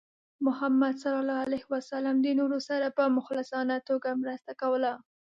محمد صلى الله عليه وسلم د نورو سره په مخلصانه توګه مرسته کوله.